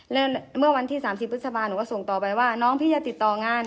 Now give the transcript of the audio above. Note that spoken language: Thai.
แล้วเมื่อวันที่๓๐พฤษภาหนูก็ส่งต่อไปว่าน้องพี่จะติดต่องาน